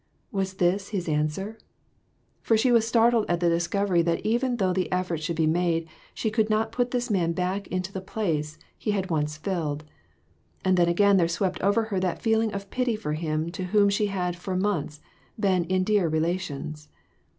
Was this His answer? For she was startled at the discovery that even though the effort should be made, she could not put this man back into the place he had once filled. And then again there swept over her that feeling of pity for him to whom she had for munths been in dear relations.